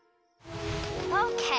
オッケー。